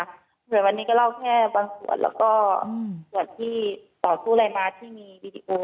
ส่วนวันนี้ก็เล่าแค่บางส่วนแล้วก็ส่วนที่ต่อสู้อะไรมาที่มีวีดีโอ